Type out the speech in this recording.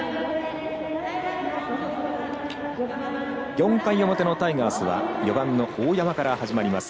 ４回表のタイガースは４番の大山から始まります。